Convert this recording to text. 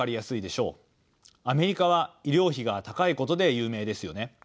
アメリカは医療費が高いことで有名ですよね。